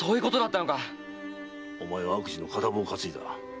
お前は悪事の片棒を担いだ。